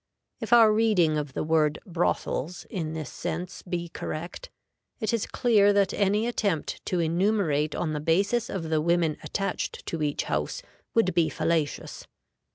If our reading of the word "brothels" in this sense be correct, it is clear that any attempt to enumerate on the basis of the women attached to each house would be fallacious.